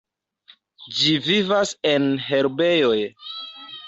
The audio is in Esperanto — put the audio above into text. Ĝi vivas en herbejoj.